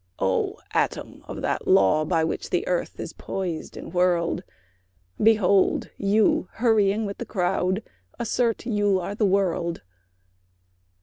"O atom of that law, by which the earth Is poised and whirled; Behold! you hurrying with the crowd assert You are the world."